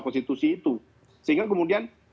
konstitusi itu sehingga kemudian